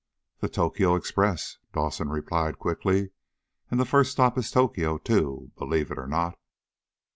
"The Tokyo Express," Dawson replied quickly. "And the first stop is Tokyo, too, believe it or not."